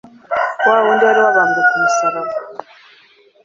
wa wundi wari wabambwe ku musaraba,